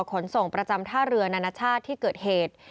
ขนส่งประจำท่าเรือนานาชาติที่เกิดเหตุ